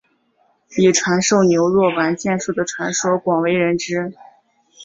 以传授牛若丸剑术的传说广为人知。